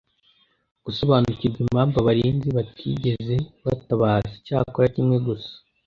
gusobanukirwa impamvu abarinzi batigeze batabaza. Icyakora, kimwe gusa